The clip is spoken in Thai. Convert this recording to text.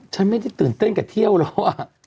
ฉันไม่ได้ตื่นเต้นกับเที่ยวแล้ว